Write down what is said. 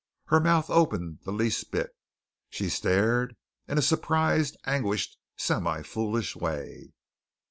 Her mouth opened the least bit. She stared in a surprised, anguished, semi foolish way.